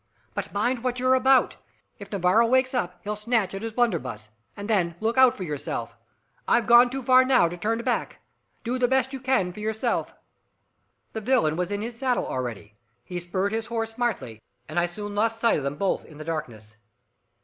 But mind what you're about! If Navarro wakes up, he'll snatch at his blunderbuss, and then look out for yourself! I've gone too far now to turn back. Do the best you can for yourself!" The villain was in his saddle already, he spurred his horse smartly, and I soon lost sight of them both in the darkness.